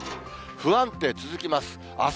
不安定続きます。